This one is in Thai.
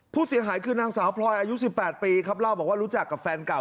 ผู้เสียหายคือนางสาวพลอยอายุ๑๘ปีครับเล่าบอกว่ารู้จักกับแฟนเก่า